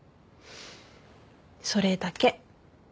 それだけ。